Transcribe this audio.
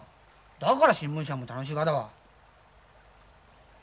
だから新聞社も楽しいがだ。